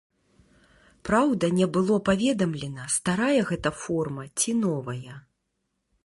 Праўда, не было паведамлена, старая гэта форма ці новая.